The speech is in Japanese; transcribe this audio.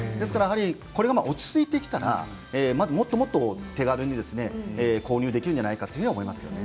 これが落ち着いてきたらもっともっと手軽に購入できるんじゃないかと思いますね。